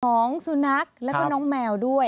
ของสุนัขแล้วก็น้องแมวด้วย